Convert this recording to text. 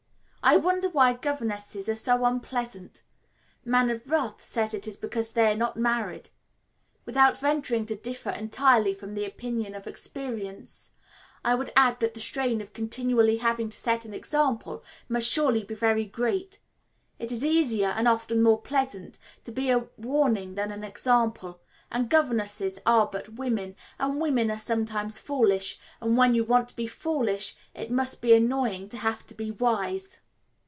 I wonder why governesses are so unpleasant. The Man of Wrath says it is because they are not married. Without venturing to differ entirely from the opinion of experience, I would add that the strain of continually having to set an example must surely be very great. It is much easier, and often more pleasant, to be a warning than an example, and governesses are but women, and women are sometimes foolish, and when you want to be foolish it must be annoying to have to be wise.